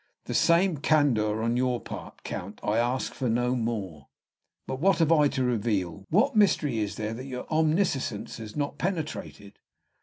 "The same candor on your part, Count; I ask for no more." "But what have I to reveal; what mystery is there that your omniscience has not penetrated?"